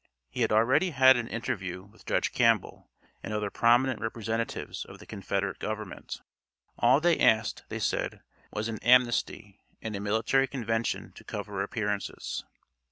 He had already had an interview with Judge Campbell and other prominent representatives of the Confederate Government. All they asked, they said, was an amnesty and a military convention to cover appearances.